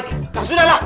nah sudah lah